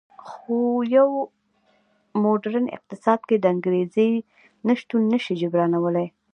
خو په یو موډرن اقتصاد کې د انګېزې نشتون نه شي جبرانولی